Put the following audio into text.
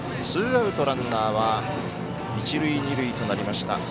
ツーアウト、ランナーは一塁二塁となりました。